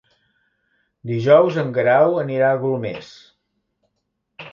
Dijous en Guerau anirà a Golmés.